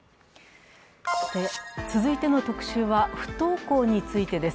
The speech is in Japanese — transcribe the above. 続いての特集は不登校についてです。